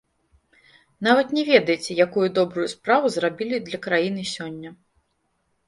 Вы нават не ведаеце, якую добрую справу зрабілі для краіны сёння.